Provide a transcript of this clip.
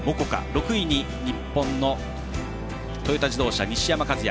６位に日本のトヨタ自動車西山和弥